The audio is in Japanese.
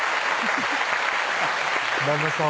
旦那さん